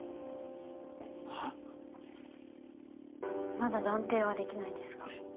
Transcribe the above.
まだ断定はできないですが。